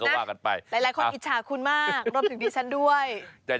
หลายคนอิจฉาคุณมากรวมถึงพี่ฉันด้วย